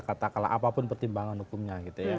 katakanlah apapun pertimbangan hukumnya